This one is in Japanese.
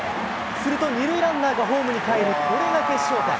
すると、２塁ランナーがホームにかえり、これが決勝点。